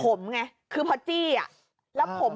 ผมไงคือพี่คื่อพี่น้อง